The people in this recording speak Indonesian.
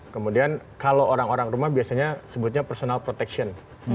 kemudian kalau orang orang rumah biasanya sebutnya personal protection